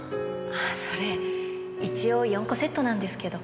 あそれ一応４個セットなんですけど。